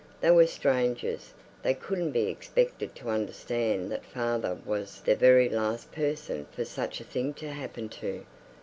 They were strangers; they couldn't be expected to understand that father was the very last person for such a thing to happen to.